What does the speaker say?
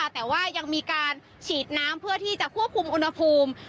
แต่ว่ายังมีการฉีดน้ำเพื่อที่จะควบคุมอุณหภูมิ